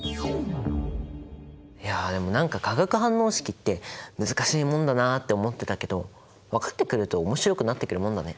いやでも何か化学反応式って難しいもんだなって思ってたけど分かってくると面白くなってくるもんだね。